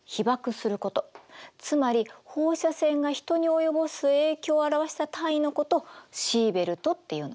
することつまり放射線が人に及ぼす影響を表した単位のことをシーベルトっていうの。